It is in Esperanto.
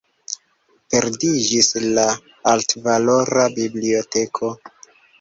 Perdiĝis la altvalora biblioteko.